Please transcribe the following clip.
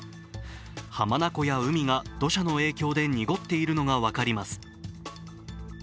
浜名湖や海が土砂の影響で濁っているのが分かります。